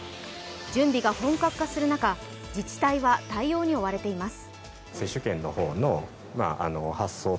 準備が本格化する中、自治体は対応に追われています。